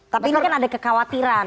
tapi ini kan ada kekhawatiran